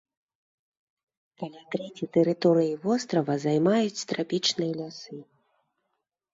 Каля трэці тэрыторыі вострава займаюць трапічныя лясы.